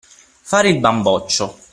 Fare il bamboccio.